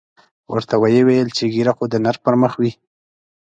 ورته ویې ویل چې ږیره خو د نر پر مخ وي.